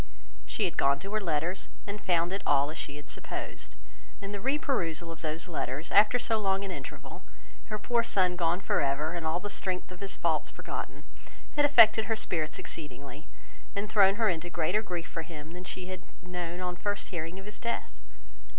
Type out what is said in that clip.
She had gone to her letters, and found it all as she supposed; and the re perusal of these letters, after so long an interval, her poor son gone for ever, and all the strength of his faults forgotten, had affected her spirits exceedingly, and thrown her into greater grief for him than she had known on first hearing of his death.